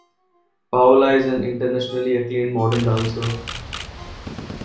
Paola is an internationally acclaimed modern dancer.